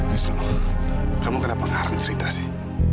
wisnu kamu kenapa ngareng cerita sih